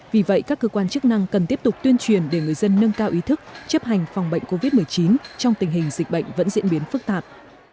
vì vậy các cơ quan chức năng cần tiếp tục tuyên truyền để người dân nâng cao ý thức chấp hành phòng bệnh covid một mươi chín trong tình hình dịch bệnh vẫn diễn biến phức tạp